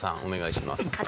お願いします。